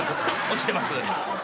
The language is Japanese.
落ちてます。